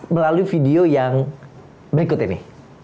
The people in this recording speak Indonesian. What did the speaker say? melalui video yang berikut ini